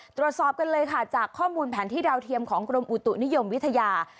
ตรวจสอบกันเลยค่ะจากข้อมูลแผนที่ดาวเทียมของกรมอุตุนิยมวิทยา